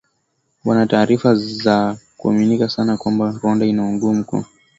wana taarifa za kuaminika sana kwamba Rwanda inaunga mkono waasi hao